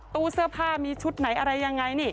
ตู้เสื้อผ้ามีชุดไหนอะไรยังไงนี่